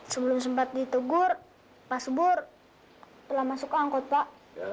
sebelum sempat ditegur pak subur telah masuk angkot pak